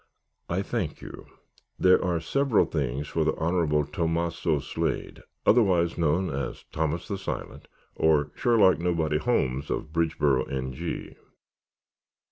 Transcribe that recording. "I thank you. There are several things for the Honorable Tomasso Slade, otherwise known as Thomas the Silent, or Sherlock Nobody Holmes of Bridgeboro, N. G.